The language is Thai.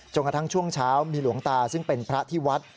กระทั่งช่วงเช้ามีหลวงตาซึ่งเป็นพระที่วัด